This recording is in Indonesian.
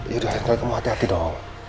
yaudah akhirnya kamu hati hati dong